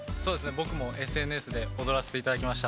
僕もＳＮＳで踊らせて頂きました。